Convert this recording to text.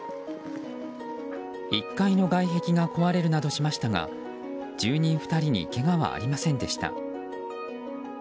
１階の外壁が壊れるなどしましたが住人２人にけがはありませんでした。